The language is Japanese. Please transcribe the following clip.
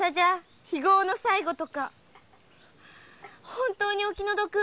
本当にお気の毒。